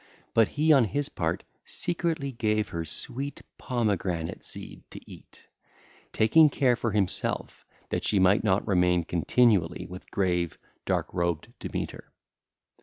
But he on his part secretly gave her sweet pomegranate seed to eat, taking care for himself that she might not remain continually with grave, dark robed Demeter.